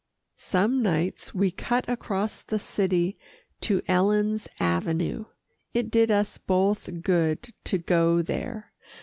Some nights we cut across the city to Ellen's avenue. It did us both good to go there.